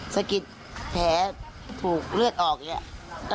สะกิดแผลถูกเลือดออกอย่างนี้